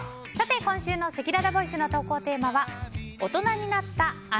今週のせきららボイスの投稿テーマは大人になった＆